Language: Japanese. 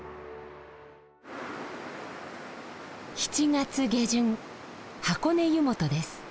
７月下旬箱根湯本です。